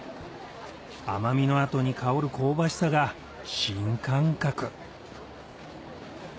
甘みの後に香る香ばしさが新感覚へぇ。